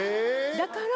だから。